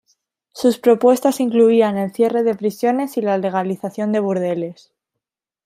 Sus propuestas incluían el cierre de prisiones y la legalización de burdeles.